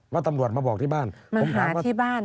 ว่าตำรวจมาบอกที่บ้านมันหาที่บ้าน